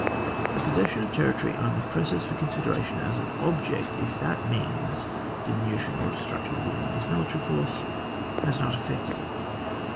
The 'possession of ter ritory only presses for consideration as an object if that means (diminution or de struction of the enemy's military force) has not effected it.